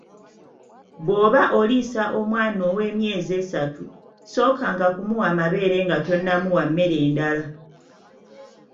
Bw'oba oliisa omwana ow'emyezi esatu , sookanga kumuwa mabeere nga tonnamuwa mmere ndala.